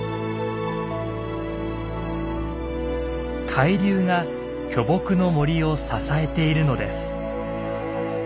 海流が巨木の森を支えているのです。